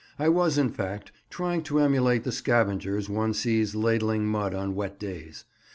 I was, in fact, trying to emulate the scavengers one sees ladling mud on wet days.